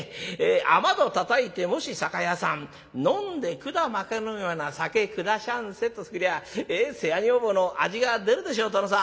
『雨戸たたいてもし酒屋さん飲んでくだ巻かぬよな酒くだしゃんせ』と来りゃ世話女房の味が出るでしょ殿さん」。